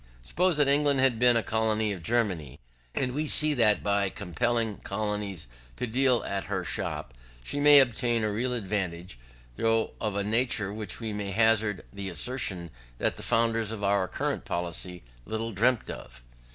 Suppose that England had been a colony of Germany, and we see that by compelling colonies to deal at her shop, she may obtain a real advantage, though of a nature which we may hazard the assertion that the founders of our colonial policy little dreamt of.